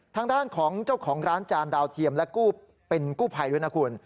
ทางด้านของเจ้าของร้านจานดาวเทียมและเป็นกู้ภัยด้วยนะคุณ